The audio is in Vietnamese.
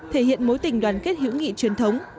thể hiện mối tình đoàn kết hữu nghị truyền thống